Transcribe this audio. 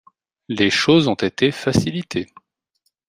Les choses ont été facilitées.